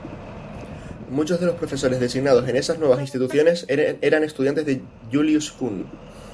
Muchos de los profesores designados en esas nuevas instituciones eran estudiantes de Julius Kühn.